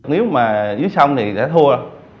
nếu mà dưới sông thì đã thua